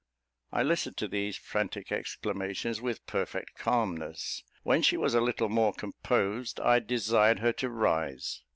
I listened to these frantic exclamations with perfect calmness. When she was a little more composed, I desired her to rise.